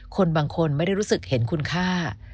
คนบางคนไม่ได้รู้สึกเห็นคุณค่า